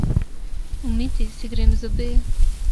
Umiti si grem zobe.